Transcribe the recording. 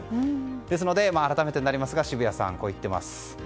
ですので、改めてになりますが澁谷さんは、こう言っています。